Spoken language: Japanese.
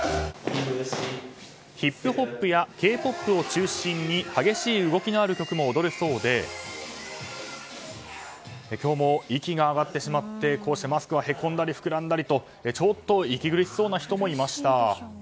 ヒップホップやＫ‐ＰＯＰを中心に激しい動きのある曲も踊るそうで今日も息が上がってしまってこうしてマスクはこうしてマスクはへこんだり膨らんだりとちょっと息苦しそうな人もいました。